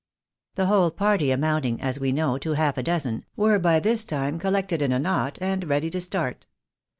The whole party amounting, as we know, to half a dozen, were by this time collected in a knot, and ready to start.